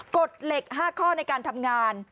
กฎเหล็ก๕ข้อในการทำงาน